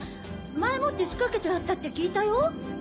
前もって仕掛けてあったって聞いたよ？